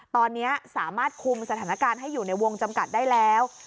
ตอนนี้สามารถคุมสถานการณ์ให้อยู่ในวงจำกัดได้แล้ว